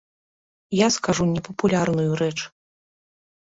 Я скажу непапулярную рэч.